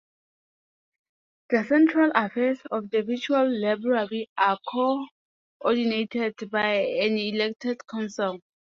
The central affairs of the Virtual Library are co-ordinated by an elected Council.